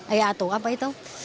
eh atau apa itu